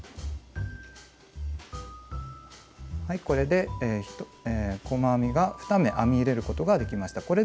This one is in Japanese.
これで細編みが２目編み入れることができました。